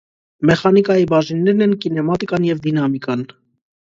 Մեխանիկայի բաժիններն են՝ կինեմատիկան և դինամիկան։